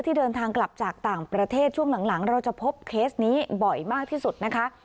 เดินทางกลับจากต่างประเทศช่วงหลังเราจะพบเคสนี้บ่อยมากที่สุดนะคะ